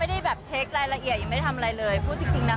แต่ก็ต้องกลับไปเช็คอีกทีนึงว่าอะไรยังไง